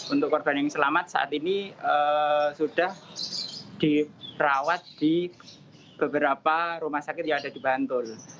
untuk korban yang selamat saat ini sudah dirawat di beberapa rumah sakit yang ada di bantul